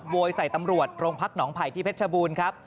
โวยใส่ตำรวจโรงพักหนองไผ่ที่เพชรชบูรณ์ครับ